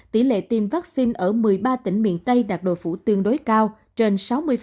tỷ lệ tiêm vaccine ở một mươi ba tỉnh miền tây đạt độ phủ tương đối cao trên sáu mươi